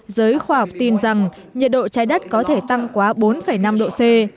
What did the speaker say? giới khoa học tin rằng nhiệt độ trái đất có thể tăng quá bốn năm độ c